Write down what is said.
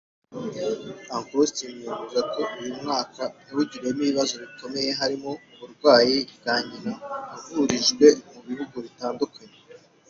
Uncle Austin yemeza ko uyu mwaka yawugiriyemo ibibazo bikomeye harimo uburwayi bwa nyina wavurijwe mu bihugu bitandukanye